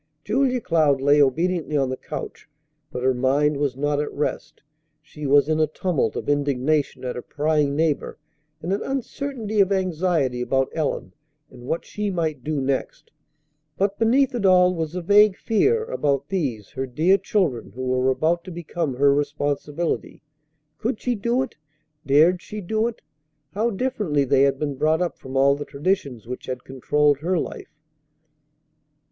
Julia Cloud lay obediently on the couch, but her mind was not at rest. She was in a tumult of indignation at her prying neighbor and an uncertainty of anxiety about Ellen and what she might do next. But beneath it all was a vague fear about these her dear children who were about to become her responsibility. Could she do it? Dared she do it? How differently they had been brought up from all the traditions which had controlled her life!